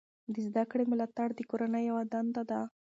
د زده کړې ملاتړ د کورنۍ یوه دنده ده.